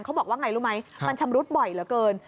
เขาบอกว่าไงรู้ไหมมันชำรุดบ่อยเหลือเกิน